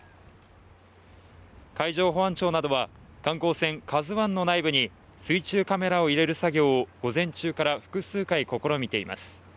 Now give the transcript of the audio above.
海上保安庁などは観光船「ＫＡＺＵⅠ」の内部に水中カメラを入れる作業を午前中から複数回、試みています。